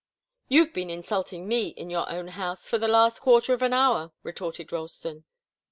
"You've been insulting me in your own house for the last quarter of an hour," retorted Ralston.